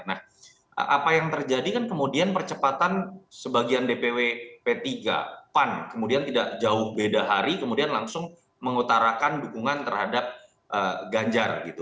nah apa yang terjadi kan kemudian percepatan sebagian dpw p tiga pan kemudian tidak jauh beda hari kemudian langsung mengutarakan dukungan terhadap ganjar gitu